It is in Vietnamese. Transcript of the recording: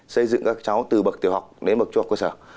xây dựng các cháu từ bậc tiểu học đến bậc trung học cơ sở